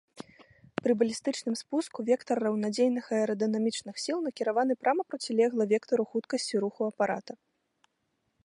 Пры балістычным спуску вектар раўнадзейных аэрадынамічных сіл накіраваны прама процілегла вектару хуткасці руху апарата.